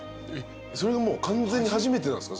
それがもう完全に初めてなんですか？